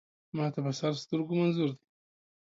ما ته په سر سترګو منظور دی.